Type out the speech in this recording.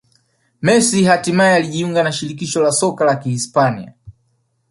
Messi hatimaye alijiunga na Shirikisho la Soka la Kihispania